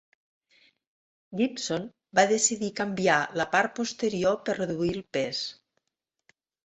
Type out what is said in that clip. Gibson va decidir canviar la part posterior per reduir el pes.